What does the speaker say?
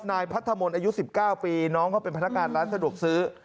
นายพัทธมนต์อายุ๑๙ปีน้องเขาเป็นพนักงานร้านสะดวกซื้อ